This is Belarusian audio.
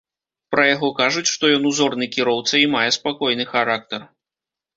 Пра яго кажуць, што ён узорны кіроўца і мае спакойны характар.